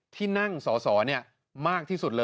ที่นั่งสอสอมากที่สุดเลย